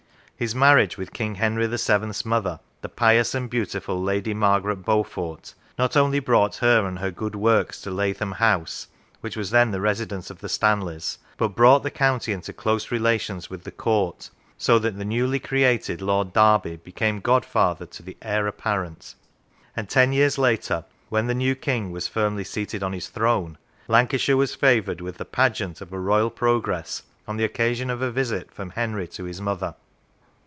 His marriage with King Henry VII. 's mother, the pious and beautiful Lady Margaret Beaufort, not only brought her and her good works to Lathom House, which was then the residence of the Stanleys, but brought the county into close relations with the Court, so that the newly created Lord Derby became god father to the heir apparent, and ten years later, when the new King was firmly seated on his throne, Lan cashire was favoured with the pageant of a Royal progress, on the occasion of a visit from Henry to his mother.